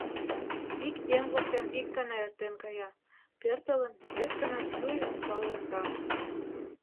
Ик еҥ воктен ик гана эртен кая, пӧртылын, вес гана чуй ончал эрта.